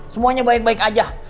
semuanya baik baik aja